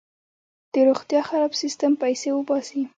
د روغتیا خراب سیستم پیسې وباسي.